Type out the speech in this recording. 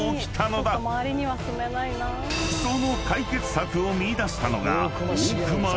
［その解決策を見いだしたのが］